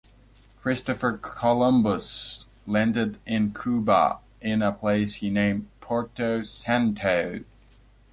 Christopher Columbus landed in Cuba in a place he named Porto Santo.